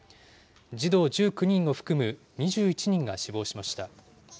児童１９人を含む２１人が死亡しました。